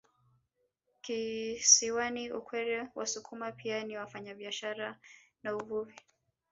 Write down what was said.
Kisiwani Ukerewe Wasukuma pia ni wafanyabiashara na uvuvi